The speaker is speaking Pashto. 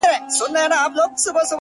• توتکۍ ورته په سرو سترګو ژړله ,